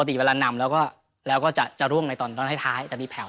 ปกติเวลานำแล้วก็จะร่วงในตอนตอนท้ายท้ายจะมีแผ่ว